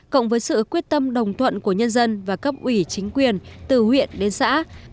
cộng với sự quyết tâm đồng thuận của nhân dân và cấp ủy chính quyền từ huyện đến xã